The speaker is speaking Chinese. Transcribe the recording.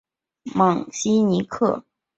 芒西尼亚克人口变化图示